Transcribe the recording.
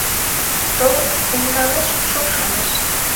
То ӧндалеш, шупшалеш.